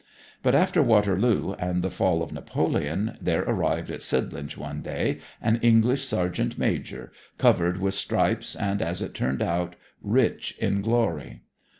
But after Waterloo and the fall of Napoleon there arrived at Sidlinch one day an English sergeant major covered with stripes and, as it turned out, rich in glory.